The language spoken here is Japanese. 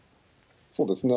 そうですね。